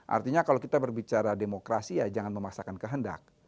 artinya kalau kita berbicara demokrasi ya jangan memaksakan kehendak